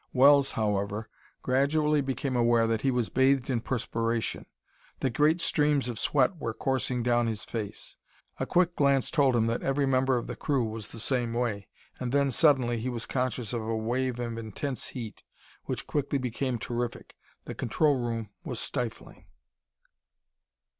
Wells, however, gradually became aware that he was bathed in perspiration, that great streams of sweat were coursing down his face. A quick glance told him that every member of the crew was the same way; and then, suddenly, he was conscious of a wave of intense heat heat which quickly became terrific. The control room was stifling!